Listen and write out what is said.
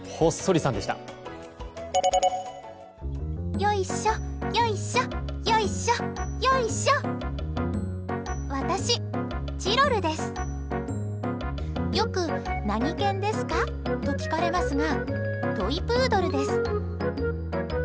よく何犬ですか？と聞かれますがトイプードルです。